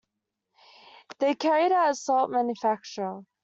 They carried out salt manufacture.